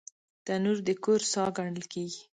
تنور د کور ساه ګڼل کېږي